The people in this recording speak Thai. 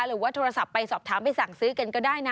หรือว่าโทรศัพท์ไปสอบถามไปสั่งซื้อกันก็ได้นะ